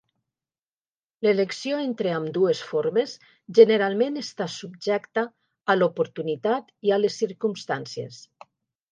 L'elecció entre ambdues formes generalment està subjecta a l'oportunitat i a les circumstàncies.